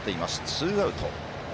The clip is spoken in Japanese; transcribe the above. ツーアウト。